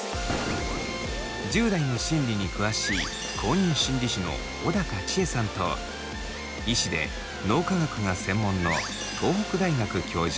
１０代の心理に詳しい公認心理師の小高千枝さんと医師で脳科学が専門の東北大学教授